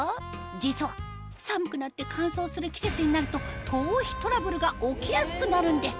実は寒くなって乾燥する季節になると頭皮トラブルが起きやすくなるんです